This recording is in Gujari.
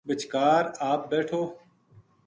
بِچکار آپ بیٹھو